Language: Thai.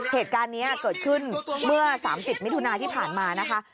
เหตุการณ์นี้เกิดขึ้นเมื่อ๓๐มิถุนาที่ผ่านมานะคะ